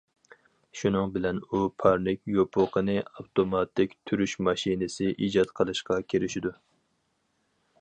شۇنىڭ بىلەن ئۇ پارنىك يوپۇقىنى ئاپتوماتىك تۈرۈش ماشىنىسى ئىجاد قىلىشقا كىرىشىدۇ.